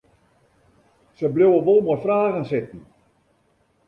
Se bliuwe wol mei fragen sitten.